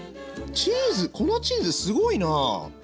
チーズこのチーズすごいな。